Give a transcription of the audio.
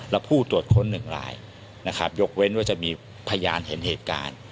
และผู้ตรวจคน๑หลายยกเว้นว่าจะมีพยานเห็นเหตุการณ์